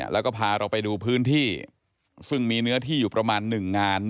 แล้วก็พาเราไปดูพื้นที่ซึ่งมีเนื้อที่อยู่ประมาณ๑งาน